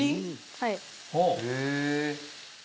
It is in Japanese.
はい。